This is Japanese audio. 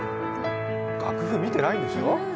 楽譜見てないんでしょ。